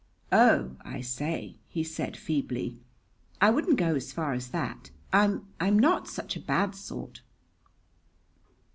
"Oh, I say!" he said feebly. "I wouldn't go as far as that. I'm I'm not such a bad sort."